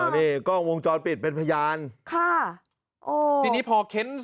นี่กล้องวงจรปิดเป็นพยานค่ะอ๋อทีนี้พอเค้น